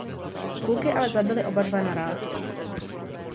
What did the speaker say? Kulky ale zabily oba dva naráz.